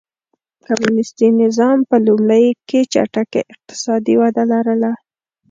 کمونېستي نظام په لومړیو کې چټکه اقتصادي وده لرله.